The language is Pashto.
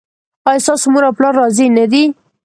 ایا ستاسو مور او پلار راضي نه دي؟